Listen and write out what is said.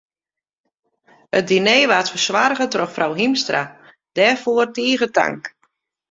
It diner waard fersoarge troch frou Hiemstra, dêrfoar tige tank.